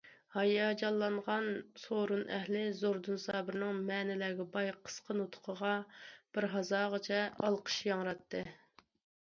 ھاياجانلانغان سورۇن ئەھلى زوردۇن سابىرنىڭ مەنىلەرگە باي قىسقا نۇتقىغا بىر ھازاغىچە ئالقىش ياڭراتتى.